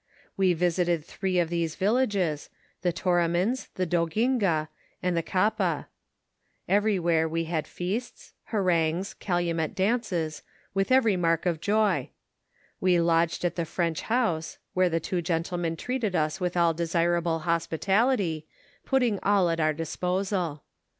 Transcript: "We visited three of these villages, the Torimans, the Doginga, and the Kappa; everywhere we had feasts, harangues, calumet dances, with every mark of joy ; we lodged at the French house, where the two gentlemen treated us with all desirable hospitality, putting all at our disposal.